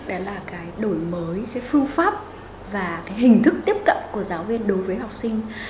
đó là cái đổi mới cái phương pháp và cái hình thức tiếp cận của giáo viên đối với học sinh